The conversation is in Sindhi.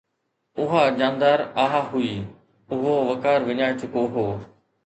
اها جاندار آه هئي، اهو وقار وڃائي چڪو هو